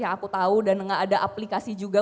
yang aku tau dan gak ada aplikasi juga